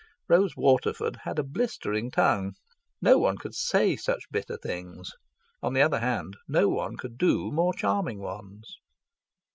Rose Waterford had a blistering tongue. No one could say such bitter things; on the other hand, no one could do more charming ones.